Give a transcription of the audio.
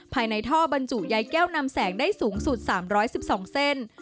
ภายในท่อบรรจุยายแก้วนำแสงได้สูงสุด๓๑๒เส้น